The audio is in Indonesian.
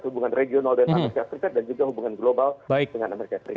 hubungan regional dan amerika serikat dan juga hubungan global dengan amerika serikat